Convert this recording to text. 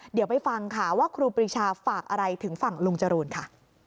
เดี๋ยวไปฟังค่ะว่าครูปรีชาฝากอะไรถึงฝั่งลุงจรูนค่ะ